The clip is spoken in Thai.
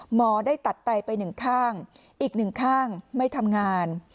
หมอได้ตัดไตไปหนึ่งข้างอีกหนึ่งข้างไม่ทำงาน